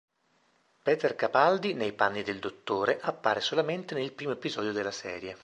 Peter Capaldi, nei panni del Dottore, appare solamente nel primo episodio della serie.